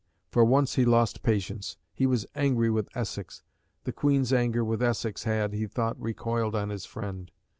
For once he lost patience. He was angry with Essex; the Queen's anger with Essex had, he thought, recoiled on his friend.